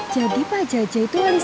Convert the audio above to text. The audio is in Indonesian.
jadi pak jajak itu wali sinar